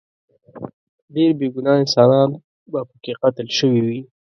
ډیر بې ګناه انسانان به پکې قتل شوي وي.